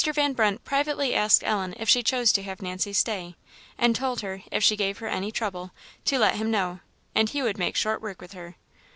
Van Brunt privately asked Ellen if she chose to have Nancy stay; and told her, if she gave her any trouble, to let him know, and he would make short work with her.